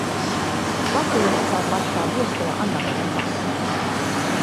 Vastineeksi saat laittaa viestejä Annabellen kassa."